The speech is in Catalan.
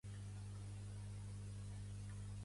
Per als Trapas, la penya tenia un significat mig polític.